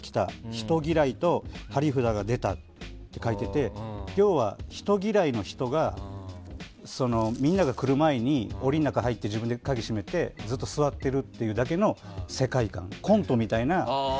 人嫌いと貼り札が出たって書いてて要は、人嫌いの人がみんなが来る前に檻の中に入って自分で鍵を閉めてずっと座ってるだけの世界観コントみたいな。